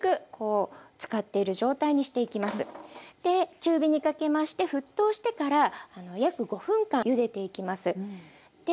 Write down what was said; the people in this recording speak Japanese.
中火にかけまして沸騰してから約５分間ゆでていきます。